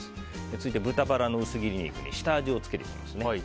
続いて豚バラの薄切り肉に下味を付けていきます。